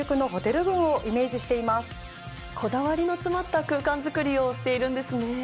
こだわりの詰まった空間づくりをしているんですね。